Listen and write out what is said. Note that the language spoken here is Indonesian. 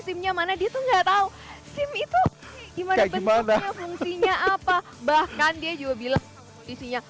simnya mana dia tuh nggak tahu sim itu gimana bentuknya fungsinya apa bahkan dia juga bilang sama kondisinya